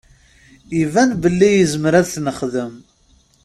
Iban belli izmer ad t-nexdem.